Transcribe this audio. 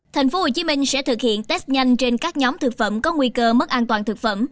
thành phố hồ chí minh sẽ thực hiện test nhanh trên các nhóm thực phẩm có nguy cơ mất an toàn thực phẩm